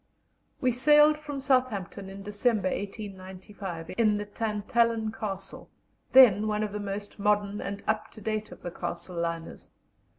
We sailed from Southampton in December, 1895, in the Tantallon Castle, then one of the most modern and up to date of the Castle liners.